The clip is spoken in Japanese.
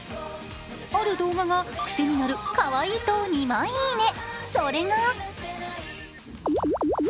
ある動画が、癖になるかわいいと２万「いいね」。